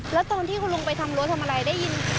แล้วตอนที่คุณลงไปทำรั้วทำอะไรได้ยิน